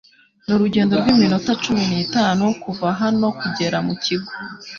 Ni urugendo rw'iminota cumi n'itanu kuva hano kugera mu kigo